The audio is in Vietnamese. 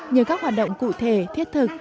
nhờ các hoạt động cụ thể thiết thực